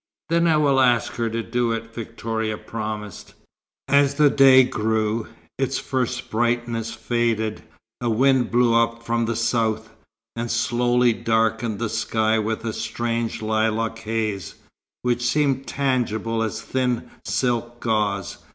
"Then I will ask her to do it," Victoria promised. As the day grew, its first brightness faded. A wind blew up from the south, and slowly darkened the sky with a strange lilac haze, which seemed tangible as thin silk gauze.